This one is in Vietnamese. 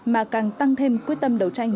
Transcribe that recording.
mà càng tăng thêm quyết tâm đấu tranh